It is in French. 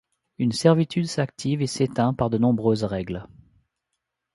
Une servitude s'active et s'éteint par de nombreuses règles.